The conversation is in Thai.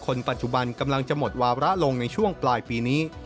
คนปัจจุบันกำลังจะหมดวาระลงในช่วงปลายปีนี้